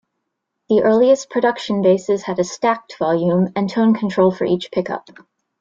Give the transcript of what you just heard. The earliest production basses had a 'stacked' volume and tone control for each pickup.